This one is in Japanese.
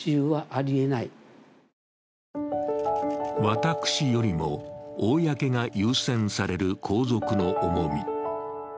「私」よりも「公」が優先される皇族の重み。